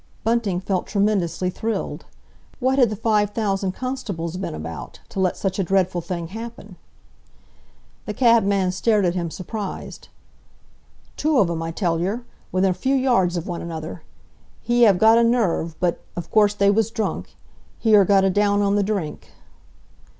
Bunting felt tremendously thrilled. What had the five thousand constables been about to let such a dreadful thing happen? The cabman stared at him, surprised. "Two of 'em, I tell yer—within a few yards of one another. He 'ave—got a nerve—But, of course, they was drunk. He are got a down on the drink!"